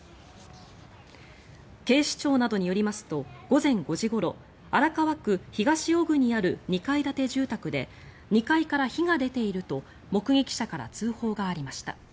警視庁などによりますと午前５時ごろ荒川区東尾久にある２階建て住宅で２階から火が出ていると目撃者から通報がありました。